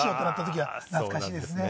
懐かしいですね。